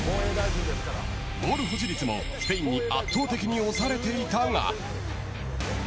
ボール保持率もスペインに圧倒的に押されていたが。